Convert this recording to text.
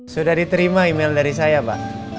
sudah diterima email dari saya pak